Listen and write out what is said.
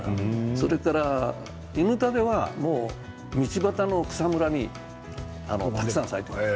それから、イヌタデは道端の草むらにたくさん咲いています。